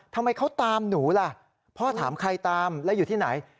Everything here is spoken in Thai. ทำไมเขาตามหนูล่ะพ่อถามใครตามแล้วอยู่ที่ไหน